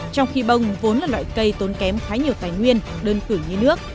trong khi bông vốn là loại cây tốn kém khá nhiều tài nguyên đơn cử như nước